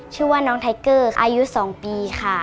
ชื่อว่าน้องไทเกอร์อายุ๒ปีค่ะ